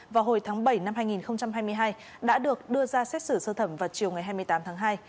vào hồi tháng bảy năm hai nghìn hai mươi hai đã được đưa ra xét xử sơ thẩm vào chiều ngày hai mươi tám tháng hai